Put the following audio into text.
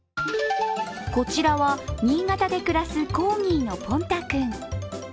こちらは新潟で暮らすコーギーのポンタ君。